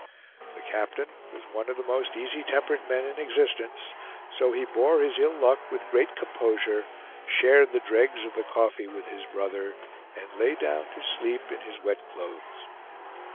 The captain was one of the most easy tempered men in existence, so he bore his ill luck with great composure, shared the dregs of the coffee with his brother, and lay down to sleep in his wet clothes.